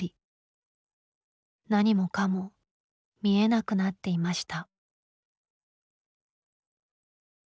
何もかも見えなくなっていました。